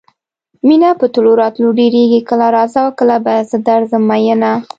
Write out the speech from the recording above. مینه په تلو راتلو ډېرېږي کله راځه او کله به زه درځم میینه.